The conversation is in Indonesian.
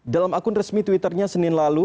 dalam akun resmi twitternya senin lalu